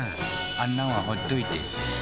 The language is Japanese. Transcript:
あんなんはほっといてあ